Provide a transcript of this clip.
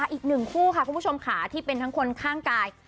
อีกหนึ่งคู่ค่ะคุณผู้ชมค่ะที่เป็นทั้งคนข้างกาย